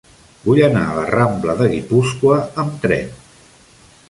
Vull anar a la rambla de Guipúscoa amb tren.